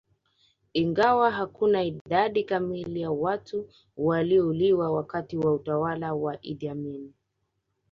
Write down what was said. Ingawa hakuna idadi kamili ya watu waliouliwa wakati wa utawala wa Idi Amin